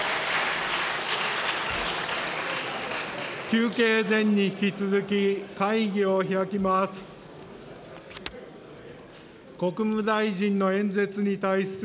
休憩前に引き続き、会議を開きます。